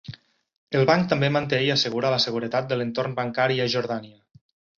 El banc també manté i assegura la seguretat de l'entorn bancari a Jordània.